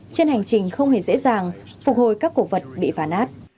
trên hành trình không hề dễ dàng phục hồi các cổ vật bị phản nát